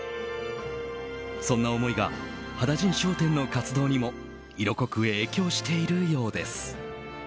そんな思いが羽田甚商店の活動にも色濃く影響しているようです。